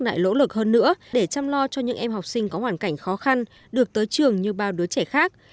lại nỗ lực hơn nữa để chăm lo cho những em học sinh có hoàn cảnh khó khăn được tới trường như bao đứa trẻ khác